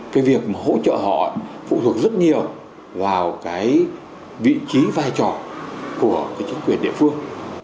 cái việc hỗ trợ họ phụ thuộc rất nhiều vào vị trí vai trò của chính quyền địa phương